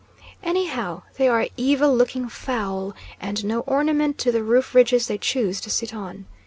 Anyhow they are evil looking fowl, and no ornament to the roof ridges they choose to sit on.